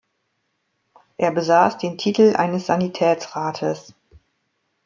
Er besaß den Titel eines Sanitätsrates.